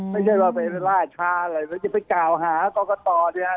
ไม่ใช่ว่าไปล่าช้าอะไรมันจะไปกล่าวหากรกตเนี่ย